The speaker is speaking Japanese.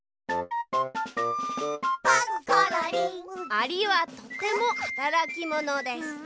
「アリはとてもはたらきものです」。